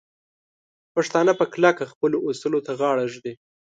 پښتانه په کلکه خپلو اصولو ته غاړه ږدي.